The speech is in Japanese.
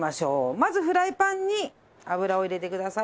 まずフライパンに油を入れてください。